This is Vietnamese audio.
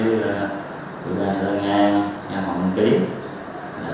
ubnd sơn ngang hoặc nguyễn kiến